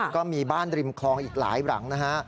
ก็มีบ้านริมคลองอีกหลายหลังนะฮะ